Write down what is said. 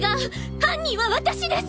犯人は私です！